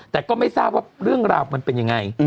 แต่ก็ไม่ทราบว่าเรื่องราวมันเป็นยังไง